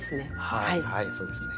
はいそうですね。